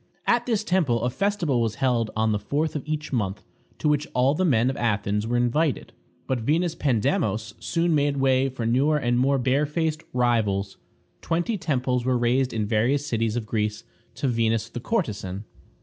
At this temple a festival was held on the fourth of each month, to which all the men of Athens were invited. But Venus Pandemos soon made way for newer and more barefaced rivals. Twenty temples were raised in various cities of Greece to Venus the Courtesan.